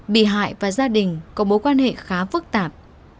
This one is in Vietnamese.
bị hại và gia đình có mối quan hệ khá phức tạp